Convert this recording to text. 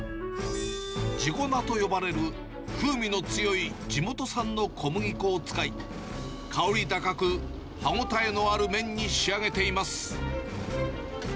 地粉と呼ばれる風味の強い地元産の小麦粉を使い、香り高く、歯応えのある麺に仕上げています。